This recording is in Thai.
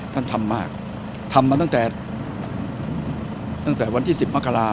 ท่านทำมากทำมาตั้งแต่วันที่๑๐มแล้ววันที่มมีมันติแล้ว